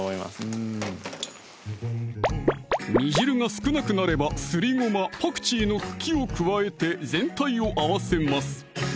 うん煮汁が少なくなればすりごま・パクチーの茎を加えて全体を合わせます